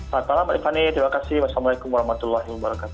selamat malam mbak tiffany terima kasih wassalamualaikum wr wb